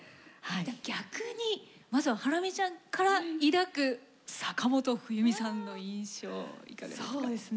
逆にまずはハラミちゃんから抱く坂本冬美さんの印象いかがですか？